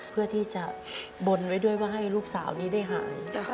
เพื่อที่จะบนไว้ด้วยว่าให้ลูกสาวนี้ได้หาย